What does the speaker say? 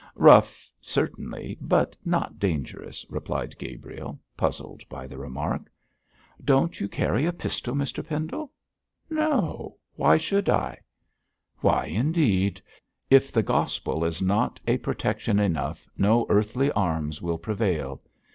'Rough certainly, but not dangerous,' replied Gabriel, puzzled by the remark. 'Don't you carry a pistol, Mr Pendle?' 'No! Why should I?' 'Why indeed? If the Gospel is not a protection enough, no earthly arms will prevail.